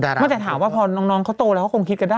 ไม่แต่ถามว่าพอน้องเขาโตแล้วเขาคงคิดกันได้